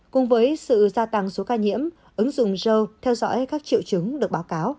cùng với sự gia tăng số ca nhiễm ứng dụng joe theo dõi các triệu chứng được báo cáo